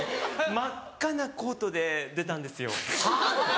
真っ赤なコートで出たんですよ。